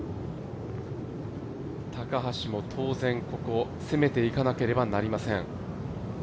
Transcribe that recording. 高橋も当然ここ攻めていかなければなりません。